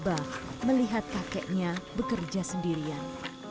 abah melihat kakeknya bekerja sendirian